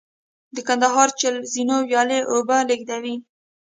د کندهار چل زینو ویالې اوبه لېږدوي